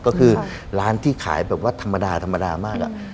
ก็คือร้านที่ขายแบบว่าธรรมดามากอะ